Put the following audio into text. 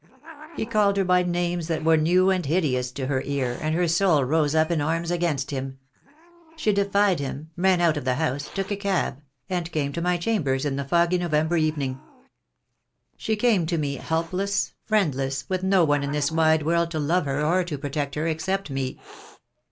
He called her by names that were new and hideous to her ear, and her soul rose up in arms against him. She defied him, ran out of the house, took a cab, and came to my chambers in the foggy No vember evening. She came to me helpless, friendless, with no one in this wide world to love her or to protect' her, except me.